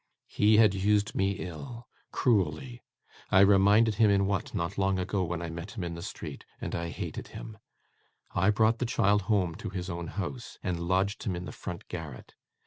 'He had used me ill cruelly I reminded him in what, not long ago when I met him in the street and I hated him. I brought the child home to his own house, and lodged him in the front garret.